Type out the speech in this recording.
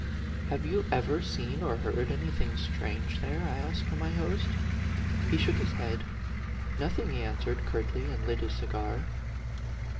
"Have you ever seen or heard anything strange there ?" I asked my host. He shook his head. " Nothing," he an swered, curtly, and lit his cigar.